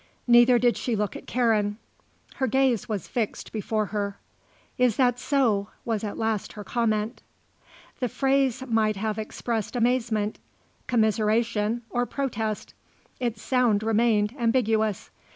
Neither did she look at Karen; her gaze was fixed before her. "Is that so," was at last her comment. The phrase might have expressed amazement, commiseration or protest; its sound remained ambiguous.